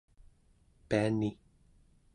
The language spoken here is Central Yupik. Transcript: piani